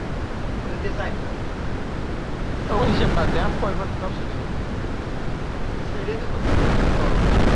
এই সমস্ত উদ্ভাবনের প্রতীকের মূল ধারণা উপর ভিত্তি করে করা হয়েছিল।